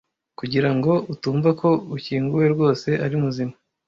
kugira ngo utumva ko ushyinguwe rwose ari muzima